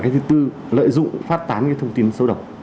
thứ tư lợi dụng phát tán thông tin xấu độc